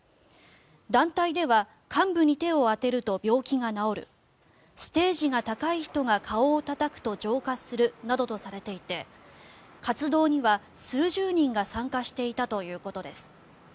団体では患部に手を当てると病気が治るステージが高い人が顔をたたくと浄化するなどとされていて活動には数十人が参加していたということです。